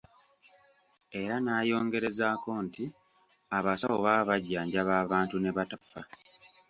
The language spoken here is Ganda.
Era n'ayongerezaako nti abasawo baba bajjanjaba abantu ne batafa.